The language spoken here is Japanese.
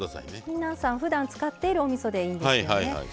皆さんふだん使っているおみそでいいんですよね。